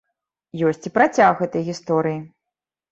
Ёсць і працяг гэтай гісторыі.